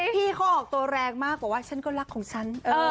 พี่เขาออกตัวแรงมากบอกว่าฉันก็รักของฉัน